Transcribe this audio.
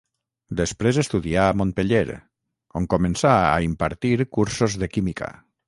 Després estudià a Montpeller on començà a impartir cursos de química.